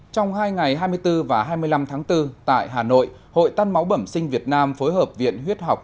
trong hai ngày hai mươi bốn và hai mươi năm tháng bốn tại hà nội hội tan máu bẩm sinh việt nam phối hợp viện huyết học